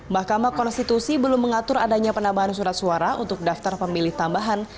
mahkamah konstitusi belum mengatur adanya penambahan surat suara untuk daftar pemilih tambahan